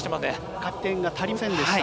回転が足りませんでした。